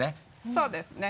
そうですね。